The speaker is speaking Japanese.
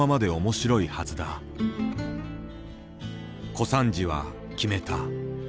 小三治は決めた。